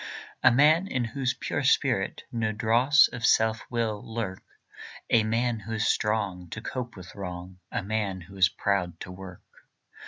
A man in whose pure spirit No dross of self will lurk; A man who is strong to cope with wrong, A man who is proud to work.